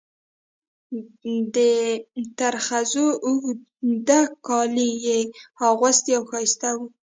د ترخزو اوږده کالي یې اغوستل او ښایسته وو.